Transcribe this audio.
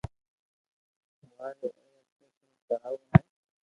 ھواري اي رو آپريݾن ڪراوہ ھي